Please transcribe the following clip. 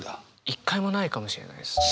一回もないかもしれないですね。